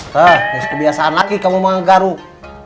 hah ini sekebiasaan lagi kamu menggaruk